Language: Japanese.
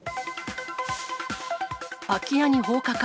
空き家に放火か？